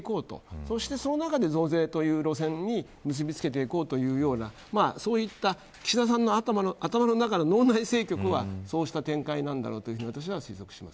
そしてその中で増税という路線に結びつけていこうという岸田さんの頭の中の脳内政局はそうした展開なんだなと思います。